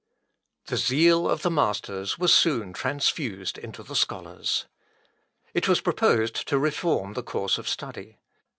The zeal of the masters was soon transfused into the scholars. It was proposed to reform the course of study.